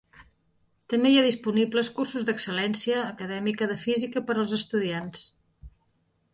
També hi ha disponibles cursos d'excel·lència acadèmica de física per als estudiants.